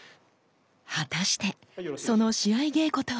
果たしてその試合稽古とは？